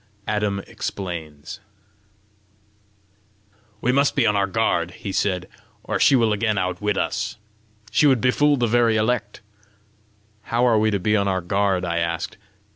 ADAM EXPLAINS "We must be on our guard," he said, "or she will again outwit us. She would befool the very elect!" "How are we to be on our guard?" I asked.